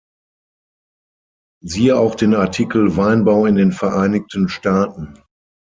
Siehe auch den Artikel "Weinbau in den Vereinigten Staaten".